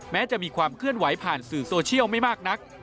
จะมีความเคลื่อนไหวผ่านสื่อโซเชียลไม่มากนัก